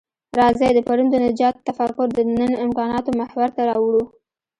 راځئ د پرون د نجات تفکر د نن امکاناتو محور ته راوړوو.